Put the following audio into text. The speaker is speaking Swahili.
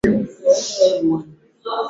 dia mataifa yanayoendelea kuinua uchumi wake